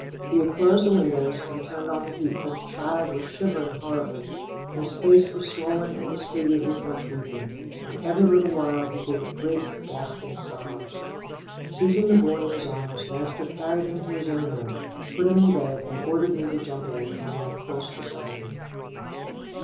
He had closed the windows, and turned on the heat, but the child was shivering horribly, and his face was swollen and disfigured with much weeping, and every little while he gave a great gasping sob. Seizing the boy in his arms, master carried him to his own room, put him in bed, and ordered me to jump in, and lie close beside him.